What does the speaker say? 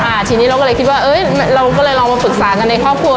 อ่าทีนี้เราก็เลยคิดว่าเอ้ยเราก็เลยลองมาปรึกษากันในครอบครัว